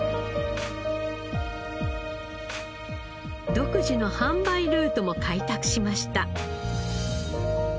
独自の販売ルートも開拓しました。